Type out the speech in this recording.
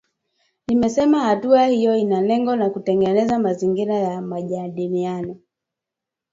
Limesema hatua hiyo ina lengo la kutengeneza mazingira ya majadiliano.